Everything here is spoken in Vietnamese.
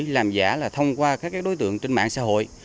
làm giả là thông qua các đối tượng trên mạng xã hội